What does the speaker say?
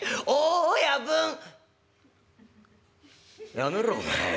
「やめろお前。